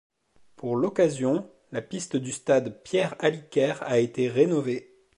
Pour l'occasion, la piste du stade Pierre-Aliker a été rénovée.